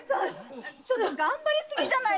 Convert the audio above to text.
ちょっと頑張りすぎじゃない？